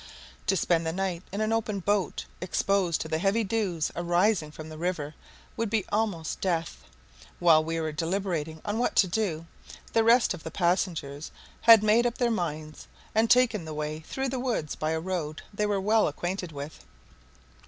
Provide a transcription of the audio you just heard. To spend the night in an open boat, exposed to the heavy dews arising from the river, would be almost death. While we were deliberating on what to do, the rest of the passengers had made up their minds, and taken the way through the woods by a road they were well acquainted with.